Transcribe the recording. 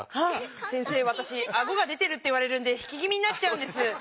先生わたしアゴが出てるって言われるんで引き気みになっちゃうんです。